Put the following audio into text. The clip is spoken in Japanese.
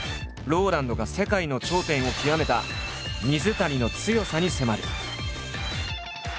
ＲＯＬＡＮＤが世界の頂点を極めた水谷の強さに迫る。